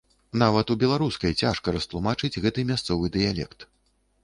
Нават у беларускай цяжка растлумачыць гэты мясцовы дыялект.